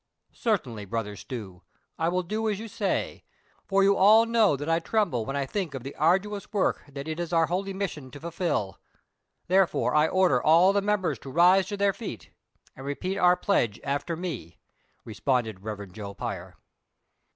" Certainly, dear Brother Stew ; I will do as you saj , for you all know that I tremble when I think of the arduous work that it is our holy mission to fulfil : therefore, I order all the members to rise to their feet, and repeat our pledge after me," responded Rev. Joe Pier.